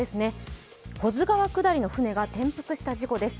保津川下りの舟が転覆した事故です。